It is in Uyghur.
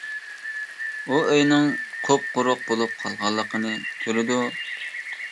ئۇ ئۆيىنىڭ قۇپقۇرۇق بولۇپ قالغانلىقىنى كۆرىدۇ.